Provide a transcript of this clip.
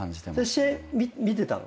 試合見てたの？